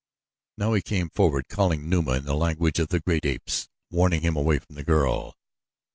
Now he came forward calling to Numa in the language of the great apes warning him away from the girl.